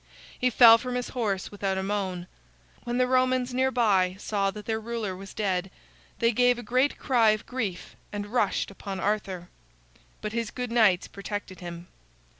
He fell from his horse without a moan. When the Romans near by saw that their ruler was dead, they gave a great cry of grief and rushed upon Arthur, but his good knights protected him.